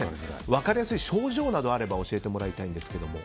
分かりやすい症状などあれば教えてもらいたいんですけども。